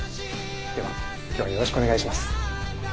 では今日はよろしくお願いします。